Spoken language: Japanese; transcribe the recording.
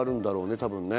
多分ね。